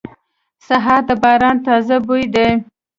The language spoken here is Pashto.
سهار د باران تازه بوی دی.